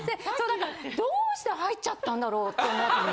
だからどうして入っちゃったんだろうって思って。